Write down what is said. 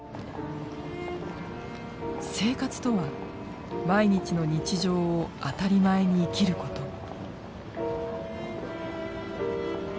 「生活」とは毎日の日常を当たり前に生きること。